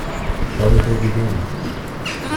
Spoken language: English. How did they begin?